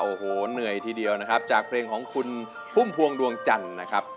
โอ้โหเหนื่อยทีเดียวนะครับจากเพลงของคุณพุ่มพวงดวงจันทร์นะครับ